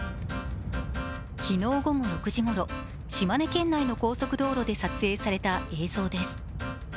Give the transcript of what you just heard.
昨日午後６時ごろ、島根県内の高速道路で撮影された映像です。